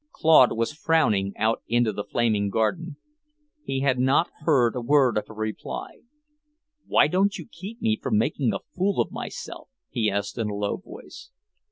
Claude was frowning out into the flaming garden. He had not heard a word of her reply. "Why didn't you keep me from making a fool of myself?" he asked in a low voice.